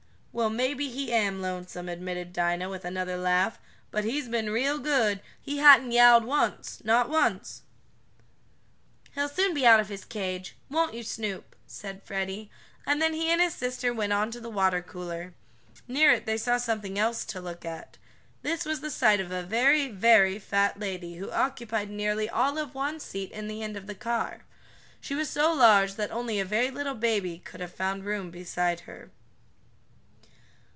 "Well, maybe he am lonesome," admitted Dinah, with another laugh, "but he's been real good. He hadn't yowled once not once!" "He'll soon be out of his cage; won't you, Snoop?" said Freddie, and then he and his sister went on to the water cooler. Near it they saw something else to look at. This was the sight of a very, very fat lady who occupied nearly all of one seat in the end of the car. She was so large that only a very little baby could have found room beside her.